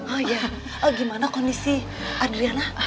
oh ya gimana kondisi adriana